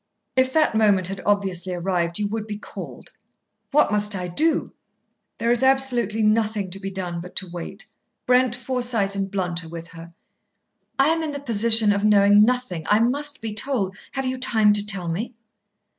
"If that moment had obviously arrived, you would be called." "What must I do?" "There is absolutely nothing to be done but to wait. Brent, Forsythe, and Blount are with her." "I am in the position of knowing nothing. I must be told. Have you time to tell me?"